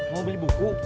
mau beli buku